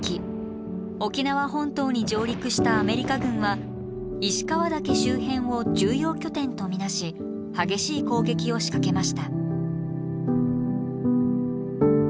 沖縄本島に上陸したアメリカ軍は石川岳周辺を重要拠点と見なし激しい攻撃を仕掛けました。